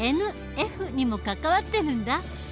「ＮＦ」にも関わってるんだ。